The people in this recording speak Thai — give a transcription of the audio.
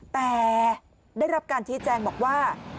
แต่ได้รับการชี้แจงบอกว่า